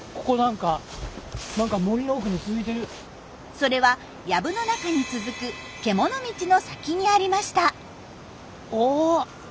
それはやぶの中に続く獣道の先にありました。